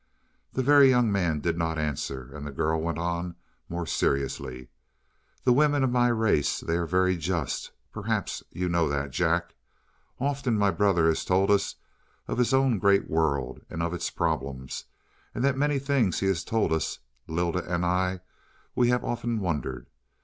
The Very Young Man did not answer, and the girl went on more seriously. "The women of my race, they are very just. Perhaps you know that, Jack. Often has my brother told us of his own great world and of its problems. And the many things he has told us Lylda and I we have often wondered.